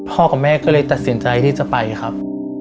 กับแม่ก็เลยตัดสินใจที่จะไปครับ